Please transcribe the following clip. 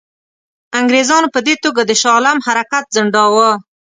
انګرېزانو په دې توګه د شاه عالم حرکت ځنډاوه.